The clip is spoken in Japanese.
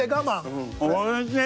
おいしい！